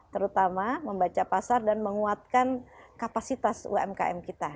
terutama membaca pasar dan menguatkan kapasitas umkm kita